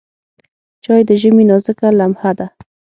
چای د ژمي نازکه لمحه ده.